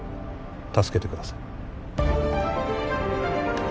助けてください